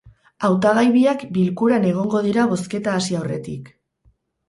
Hautagai biak bilkuran egongo dira bozketa hasi aurretik.